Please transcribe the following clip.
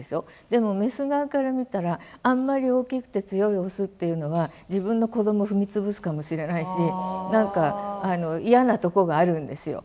でもメス側から見たらあんまり大きくて強いオスっていうのは自分の子供踏み潰すかもしれないし何か嫌なとこがあるんですよ。